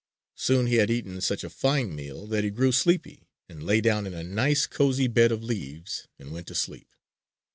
Soon he had eaten such a fine meal that he grew sleepy and lay down in a nice cozy bed of leaves and went to sleep.